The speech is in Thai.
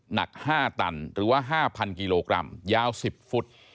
หนัก๕ตันหรือว่า๕๐๐กิโลกรัมยาว๑๐ฟุต